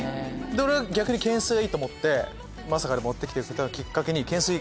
俺は逆に懸垂はいいと思って持ってきてくれたきっかけに。